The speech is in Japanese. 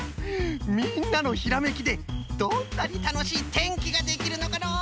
みんなのひらめきでどんなにたのしいてんきができるのかのう！